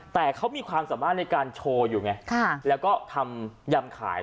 แต่เขามีความสามารถในการโชว์อยู่ไงแล้วก็ทำยำขาย